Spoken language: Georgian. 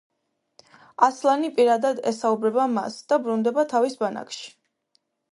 ასლანი პირადად ესაუბრება მას და ბრუნდება თავის ბანაკში.